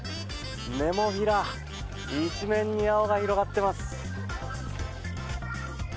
ネモフィラ一面に青が広がっています。